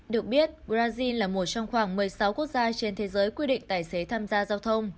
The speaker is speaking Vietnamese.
được biết brazil là một trong khoảng một mươi sáu quốc gia trên thế giới quy định tài xế tham gia giao thông